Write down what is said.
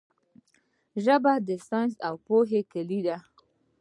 ژبه د ساینس او پوهې کیلي ده.